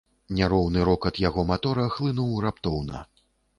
Няроўны рокат яго матора хлынуў раптоўна.